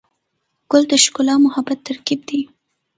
ګل د ښکلا او محبت ترکیب دی.